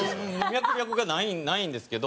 脈絡がないんですけど。